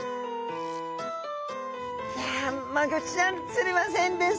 いやマゴチちゃん釣れませんでした。